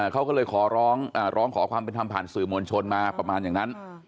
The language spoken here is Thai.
เขาก็เลยขอร้องขอความเป็นธรรมผ่านสื่อมวลชนมาประมาณอย่างนั้น